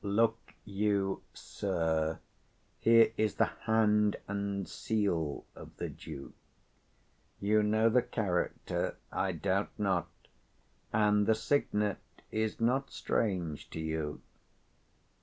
Look you, sir, here is the hand and seal of the Duke: you know the character, I doubt not; and the signet is not strange to you.